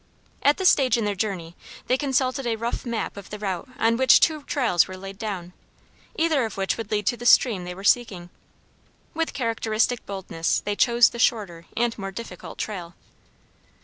At this stage in their journey they consulted a rough map of the route on which two trails were laid down, either of which would lead to the stream they were seeking. With characteristic boldness they chose the shorter and more difficult trail.